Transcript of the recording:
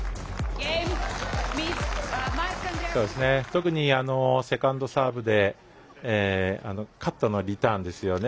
特にセカンドサーブでカットのリターンですよね。